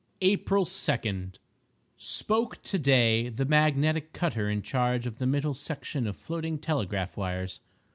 April 2.—Spoke to day the magnetic cutter in charge of the middle section of floating telegraph wires.